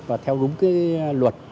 và theo đúng luật